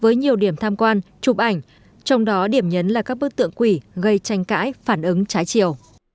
với nhiều điểm tham quan chụp ảnh trong đó điểm nhấn là các bức tượng quỷ gây tranh cãi phản ứng trái chiều